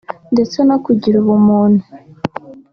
ndetse no kugira ubumuntu